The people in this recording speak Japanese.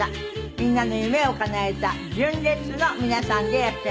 みんなの夢をかなえた純烈の皆さんでいらっしゃいます。